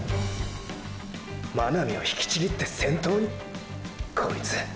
真波を引きちぎって先頭に⁉こいつ！！